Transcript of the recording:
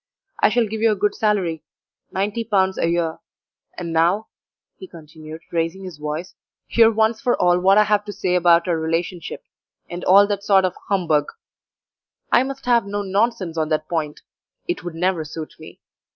I shall give you a good salary 90l. a year and now," he continued, raising his voice, "hear once for all what I have to say about our relationship, and all that sort of humbug! I must have no nonsense on that point; it would never suit me.